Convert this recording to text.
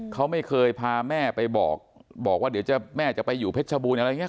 เขาไม่เคยพาแม่ไปบอกบอกว่าเดี๋ยวแม่จะไปอยู่เพชรบูรณอะไรอย่างนี้